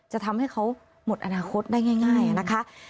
จะทำให้เขาหมดอนาคตได้ง่ายนะคะ